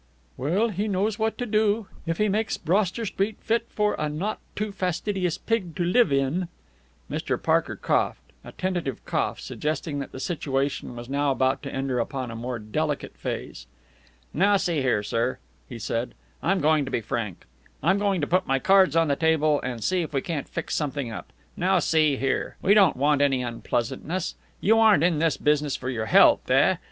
"Well, he knows what to do. If he makes Broster Street fit for a not too fastidious pig to live in " Mr. Parker coughed. A tentative cough, suggesting that the situation was now about to enter upon a more delicate phase. "Now, see here, sir," he said, "I'm going to be frank. I'm going to put my cards on the table, and see if we can't fix something up. Now, see here. We don't want any unpleasantness. You aren't in this business for your health, eh?